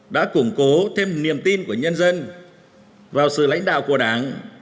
đã củng cố thêm niềm tin của nhân dân vào sự lãnh đạo của đảng